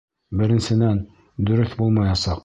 Беренсенән, дөрөҫ булмаясаҡ!